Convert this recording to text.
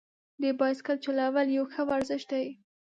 د بایسکل چلول یو ښه ورزش دی.